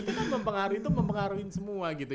itu kan mempengaruhi itu mempengaruhi semua gitu